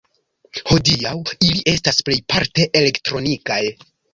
Hodiaŭ ili estas plejparte elektronikaj.